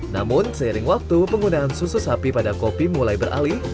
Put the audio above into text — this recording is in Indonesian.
namun seiring waktu penggunaan susu sapi pada kopi mulai beralih